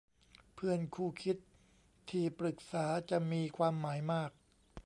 เพื่อนคู่คิดที่ปรึกษาจะมีความหมายมาก